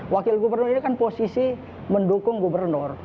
wakil gubernur ini kan posisi mendukung gubernur